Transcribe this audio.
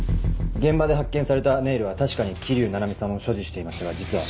現場で発見されたネイルは確かに桐生菜々美さんも所持していましたが実は。